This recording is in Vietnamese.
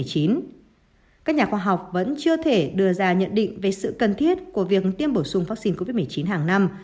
các nhà khoa học vẫn chưa thể đưa ra nhận định về sự cần thiết của việc tiêm bổ sung vaccine covid một mươi chín hàng năm